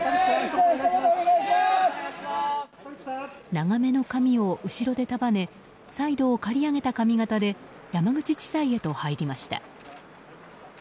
長めの髪を後ろで束ねサイドを刈り上げた髪形で山口地裁へと入りました。